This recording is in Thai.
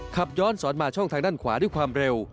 ขับย้อนสอนมาช่องทางด้านขวาด้วยความเร็ว